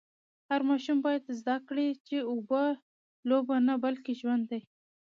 هر ماشوم باید زده کړي چي اوبه لوبه نه بلکې ژوند دی.